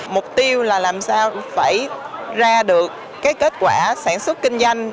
mục tiêu là làm sao phải ra được kết quả sản xuất kinh doanh